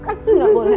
aku enggak boleh